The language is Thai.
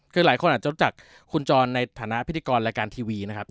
คือหลายคนอาจจะรู้จักคุณจรในฐานะพิธีกรรายการทีวีนะครับ